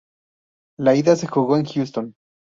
La ida se jugó en Houston.